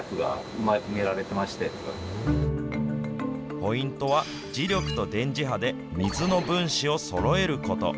ポイントは、磁力と電磁波で水の分子をそろえること。